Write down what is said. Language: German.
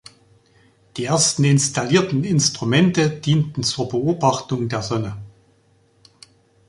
Die ersten installierten Instrumente dienten zur Beobachtung der Sonne.